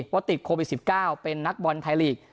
ว่าติดโควิด๑๙เป็นนักบอลไทยลีก